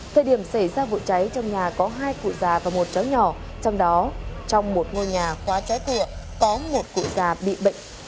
thời điểm xảy ra vụ cháy trong nhà có hai cụ già và một cháu nhỏ trong đó trong một ngôi nhà khóa cháy cửa có một cụ già bị bệnh